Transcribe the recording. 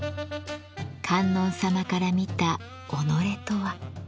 観音様から見た己とは。